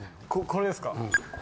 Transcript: ここれですか？